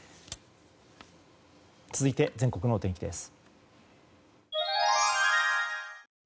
続いて全国のお天気です。